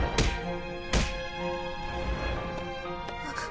あ。